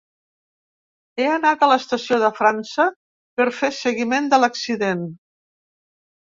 He anat a l’estació de França per fer seguiment de l’accident.